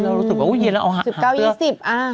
ที่เรารู้สึกว่าอุ้ยเย็นแล้วเอาสิบเก้ายี่สิบอ่า